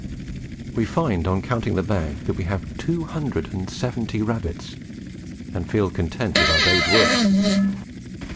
We find on counting the bag that we have two hundred and seventy rabbits, and feel content with our day's work.